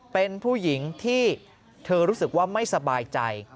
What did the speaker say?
เป็นผู้หญิงที่เธอรู้สึกว่าไม่สบายใจ